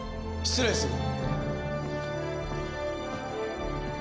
失礼する。